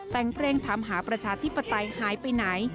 แต่งเพลงถามหาประชาธิปไตยหายไปไหน